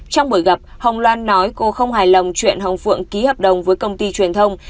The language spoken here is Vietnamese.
trong buổi gặp hồng loan nói cô không hài lòng chuyện hồng phượng ký hợp đồng với công ty truyền thông